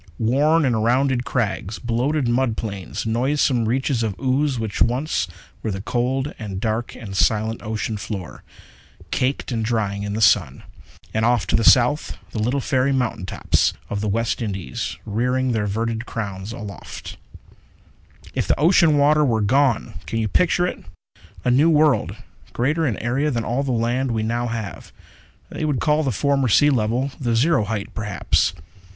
Worn and rounded crags; bloated mud plains; noisome reaches of ooze which once were the cold and dark and silent ocean floor, caked and drying in the sun. And off to the south the little fairy mountain tops of the West Indies rearing their verdured crowns aloft._ [Illustration: "Look around, Chief. See where I am?"] _If the ocean water were gone! Can you picture it? A new world, greater in area than all the land we now have. They would call the former sea level the zero height, perhaps.